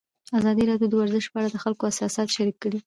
ازادي راډیو د ورزش په اړه د خلکو احساسات شریک کړي.